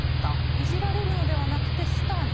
いじられるのではなくてスターに。